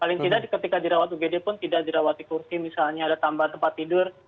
paling tidak ketika dirawat ugd pun tidak dirawati kursi misalnya ada tambahan tempat tidur